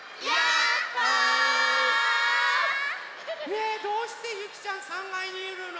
ねえどうしてゆきちゃん３がいにいるの？